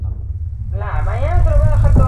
Baina, zein da perpaus hori?